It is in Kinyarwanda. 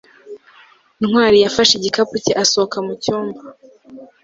ntwali yafashe igikapu cye asohoka mu cyumba